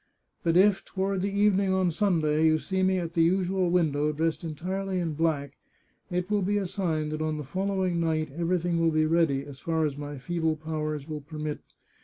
But if, toward the evening on Sunday, you see me at the usual window, dressed entirely in black, it will be a sign that on the following night every thing will be ready, as far as my feeble powers will permit.